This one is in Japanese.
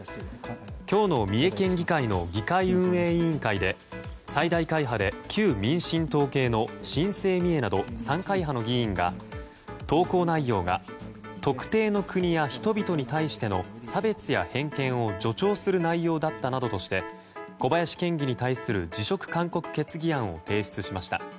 今日の三重県議会の議会運営委員会で最大会派で旧民進党系の新政みえなど３会派の議員が投稿内容が特定の国や人々に対しての差別や偏見を助長する内容だったなどとして小林県議に対する辞職勧告決議案を提出しました。